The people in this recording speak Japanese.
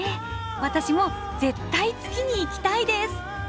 私も絶対月に行きたいです！